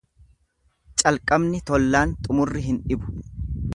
Calqabni tollaan xumurri hin dhibu.